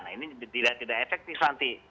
nah ini tidak efektif nanti